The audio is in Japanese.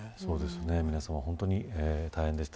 皆さま、本当に大変でした。